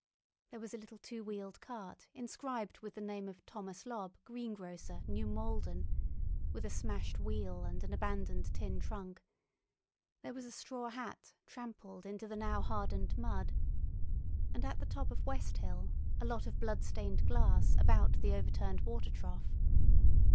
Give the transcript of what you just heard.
There was a little two wheeled cart inscribed with the name of Thomas Lobb, Greengrocer, New Malden, with a smashed wheel and an abandoned tin trunk; there was a straw hat trampled into the now hardened mud, and at the top of West Hill a lot of blood stained glass about the overturned water trough.